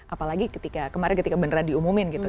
apalagi ketika kemarin ketika beneran diumumin gitu